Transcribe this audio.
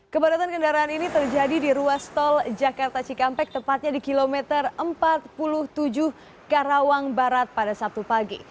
kepadatan kendaraan ini terjadi di ruas tol jakarta cikampek tepatnya di kilometer empat puluh tujuh karawang barat pada sabtu pagi